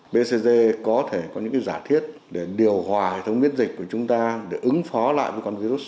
bcg có thể có những giả thiết để điều hòa hệ thống biễn dịch của chúng ta để ứng phó lại với con virus